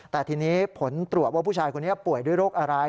แต่ทีนี้ผลตรวจว่าผู้ชายคนนี้ป่วยด้วยโรคอะไร